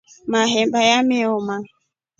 Mahemba yameoma.